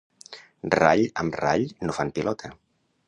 Rall amb rall no fan pilota.